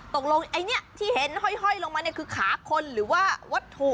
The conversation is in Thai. ตกลงเอ้ยที่เห็นห้อยห้อยลงมาเนี่ยคือขาคนหรือว่าวัตถุ